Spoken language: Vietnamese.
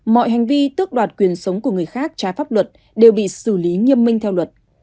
mọi hành vi tước đoạt quyền sống của người khác trái pháp luật đều bị xử lý nghiêm minh theo luật